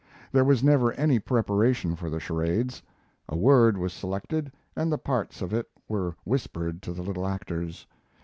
There was never any preparation for the charades. A word was selected and the parts of it were whispered to the little actors.